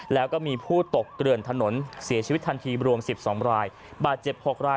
แล้วก็มีผู้ตกเกลื่อนถนนเสียชีวิตทันทีรวม๑๒รายบาดเจ็บ๖ราย